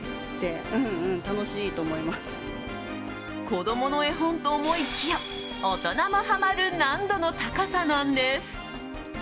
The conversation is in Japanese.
子供の絵本と思いきや大人もハマる難度の高さなんです。